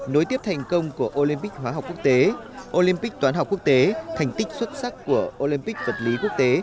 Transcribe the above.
nối tiếp thành công của olympic hóa học quốc tế olympic toán học quốc tế thành tích xuất sắc của olympic vật lý quốc tế